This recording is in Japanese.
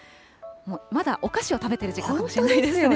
まだお菓子を食べてる時間かもしれませんよね。